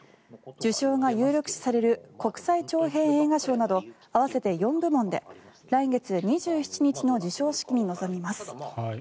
受賞が有力視される国際長編映画賞など合わせて４部門で来月２７日の授賞式に臨みます。